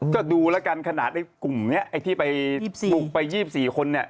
ก็ดูแล้วกันขนาดไอ้กลุ่มนี้ไอ้ที่ไปบุกไป๒๔คนเนี่ย